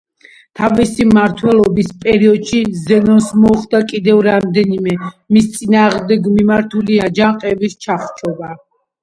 თავისი მმართველობის პერიოდში ზენონს მოუხდა კიდევ რამდენიმე, მის წინააღმდეგ მიმართული, აჯანყების ჩახშობა.